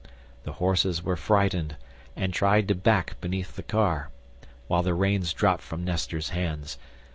The horses were frightened and tried to back beneath the car, while the reins dropped from Nestor's hands.